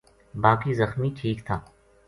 باقی زخمی ٹھیک تھا